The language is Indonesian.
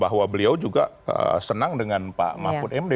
bahwa beliau juga senang dengan pak mahfud md